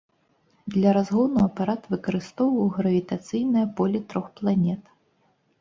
Для разгону апарат выкарыстоўваў гравітацыйнае поле трох планет.